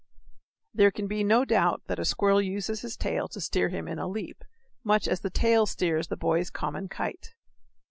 There can be no doubt that a squirrel uses his tail to steer him in a leap, much as the tail steers the boy's common kite.